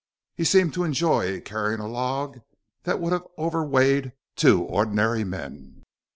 He seemed to enjoy carrying a log that would have overweighted two ordinary men.